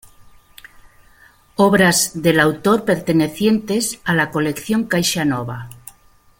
Obras del autor pertenecientes a la Colección Caixanova